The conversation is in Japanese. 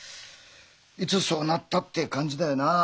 いつそうなったって感じだよなあ。